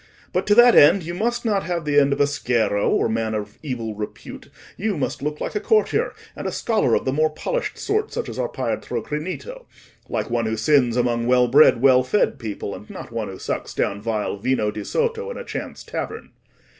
But to that end, you must not have the air of a sgherro, or a man of evil repute: you must look like a courtier, and a scholar of the more polished sort, such as our Pietro Crinito—like one who sins among well bred, well fed people, and not one who sucks down vile vino di sotto in a chance tavern."